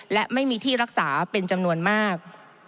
และไม่มีที่รักษาเป็นจำนวนมาก